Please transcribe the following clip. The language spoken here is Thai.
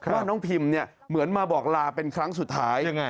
ว่าน้องพิมเนี่ยเหมือนมาบอกลาเป็นครั้งสุดท้าย